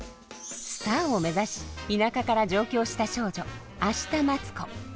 スターを目指し田舎から上京した少女明日待子。